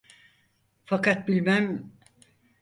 Fakat bilmem…